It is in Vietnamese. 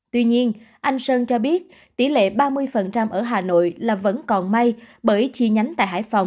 tuy nhiên anh sơn cho biết tỷ lệ ba mươi ở hà nội là vẫn còn may bởi chi nhánh tại hải phòng